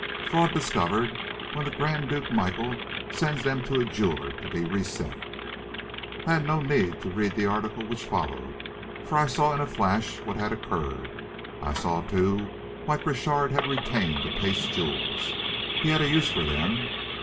Fraud Discovered When the Grand Duke Michael Sends them to a Jeweller to be Reset. I had no need to read the article which followed, for I saw in a flash what had occurred. I saw, too, why Crochard had retained the paste jewels he had a use for them!